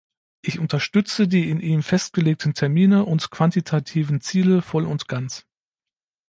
Ich unterstütze die in ihm festgelegten Termine und quantitativen Ziele voll und ganz.